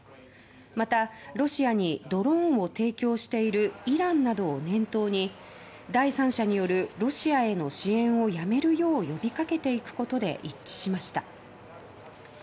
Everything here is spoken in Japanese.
また、ロシアにドローンを提供しているイランなどを念頭に第三者によるロシアへの支援をやめるよう呼び掛けていくことで一致しました。